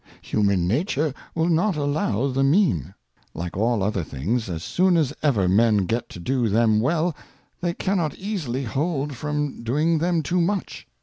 Human Nature will not allow the ' Mean : like all other things, as soon as ever Men get to do them well, they cannot easily hold from doing them too much.